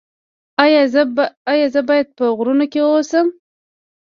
ایا زه باید په غرونو کې اوسم؟